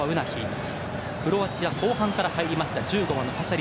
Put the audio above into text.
クロアチア、後半から入った１５番のパシャ